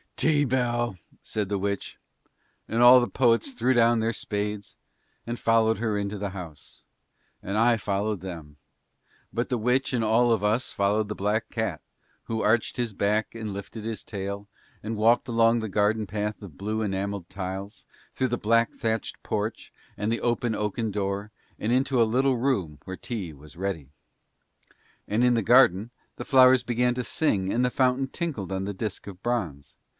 "Tea bell," said the witch; and all the poets threw down their spades and followed her into the house, and I followed them; but the witch and all of us followed the black cat, who arched his back and lifted his tail and walked along the garden path of blue enamelled tiles and through the black thatched porch and the open, oaken door and into a little room where tea was ready. And in the garden the flowers began to sing and the fountain tinkled on the disk of bronze.